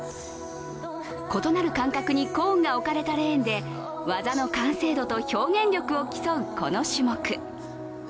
異なる間隔にコーンが置かれたレーンで技の完成度と表現力を競うこの種目。